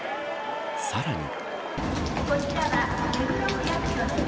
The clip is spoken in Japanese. さらに。